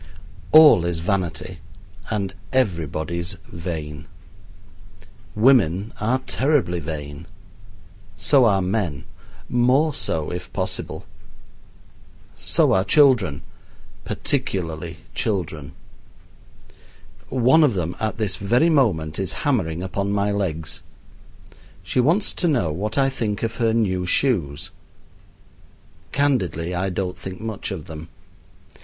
All is vanity and everybody's vain. Women are terribly vain. So are men more so, if possible. So are children, particularly children. One of them at this very moment is hammering upon my legs. She wants to know what I think of her new shoes. Candidly I don't think much of them.